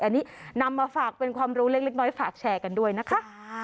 อันนี้นำมาฝากเป็นความรู้เล็กน้อยฝากแชร์กันด้วยนะคะ